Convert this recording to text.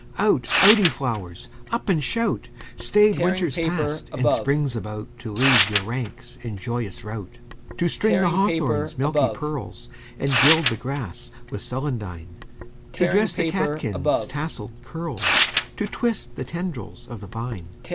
Out, out, ye flowers! Up and shout! Staid Winter's passed and Spring's about To lead your ranks in joyous rout; To string the hawthorn's milky pearls, And gild the grass with celandine; To dress the catkins' tasselled curls, To twist the tendrils of the vine.